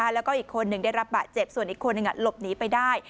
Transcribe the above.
แล้วก็อีกคนหนึ่งได้รับบาดเจ็บส่วนอีกคนหนึ่งหลบหนีไปได้